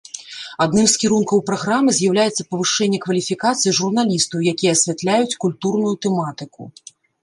Адным з кірункаў праграмы з'яўляецца павышэнне кваліфікацыі журналістаў, якія асвятляюць культурную тэматыку.